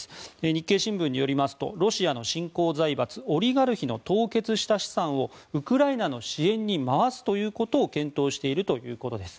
日経新聞によりますとロシアの新興財閥オリガルヒの凍結した資産をウクライナの支援に回すということを検討しているということです。